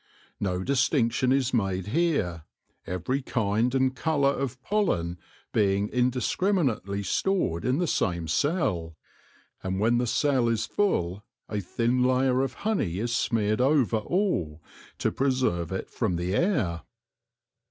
No distinction is made here, every kind and colour of pollen being indiscrimi nately stored in the same cell ; and when the cell is full, a thin layer of honey is smeared over all, to pre serve it from the air.